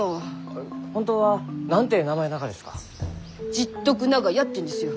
十徳長屋っていうんですよ。